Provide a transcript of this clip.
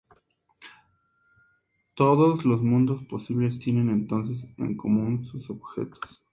Todos los mundos posibles tienen entonces en común sus objetos.